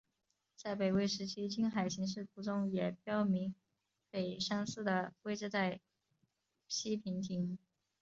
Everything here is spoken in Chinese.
在北魏时期青海形势图中也标明北山寺的位置在西平亭。